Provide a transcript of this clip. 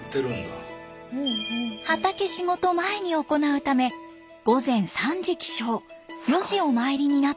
畑仕事前に行うため午前３時起床４時お参りになったんだそう。